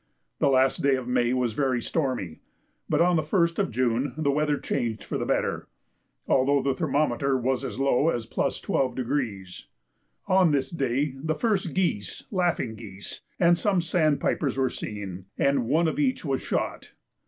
The last day of May was very stormy; but on the 1st of June the weather changed for the better, although the thermometer was as low as +12°. On this day the first geese (laughing geese) and some sandpipers were seen, and one of each was shot.